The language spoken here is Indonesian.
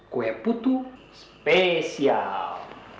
kue putu spesial